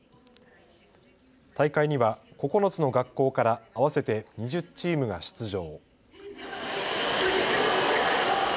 大会には９つの学校から合わせて２０チームが出場。